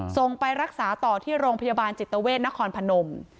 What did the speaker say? ส่งไปรักษาต่อที่โรงพยาบาลจิตเวทนครพนม